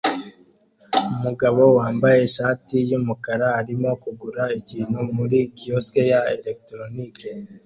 Umugabo wambaye ishati yumukara arimo kugura ikintu muri kiosque ya elegitoroniki